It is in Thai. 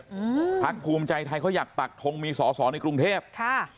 อืมพักภูมิใจไทยเขาอยากปักทงมีสอสอในกรุงเทพค่ะ